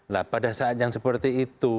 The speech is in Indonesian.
nah pada saat yang seperti itu